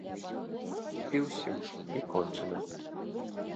І ўсё, і кончана.